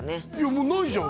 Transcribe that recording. もうないじゃん